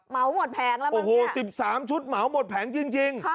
เบาหมดแผงแล้วมั้งเนี่ยโอ้โฮ๑๓ชุดเบาหมดแผงจริง